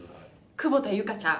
久保田由佳ちゃん。